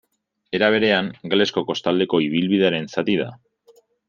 Era berean, Galesko kostaldeko ibilbidearen zati da.